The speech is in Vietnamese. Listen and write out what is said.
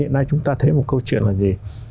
hiện nay chúng ta thấy một câu chuyện là gì